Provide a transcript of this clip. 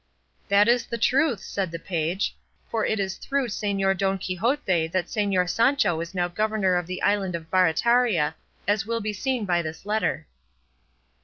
"That is the truth," said the page; "for it is through Señor Don Quixote that Señor Sancho is now governor of the island of Barataria, as will be seen by this letter."